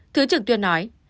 thứ trưởng tuyên nói